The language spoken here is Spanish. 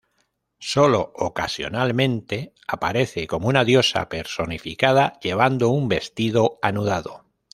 Sólo ocasionalmente aparece como una diosa personificada llevando un vestido anudado.